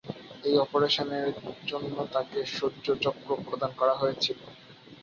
এই অপারেশনের জন্য তাঁকে শৌর্য চক্র প্রদান করা হয়েছিল।